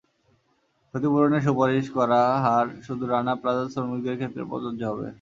ক্ষতিপূরণের সুপারিশ করা হার শুধু রানা প্লাজার শ্রমিকদের ক্ষেত্রে প্রযোজ্য হবে।